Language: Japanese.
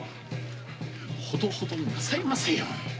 ほどほどになさりませよ。